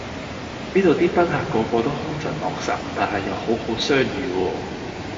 呢度啲賓客個個都凶神惡煞，但係又好好相語喎